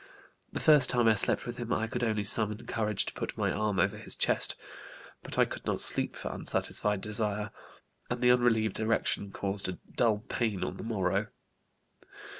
The first time I slept with him I could only summon courage to put my arm over his chest, but I could not sleep for unsatisfied desire, and the unrelieved erection caused a dull pain on the morrow.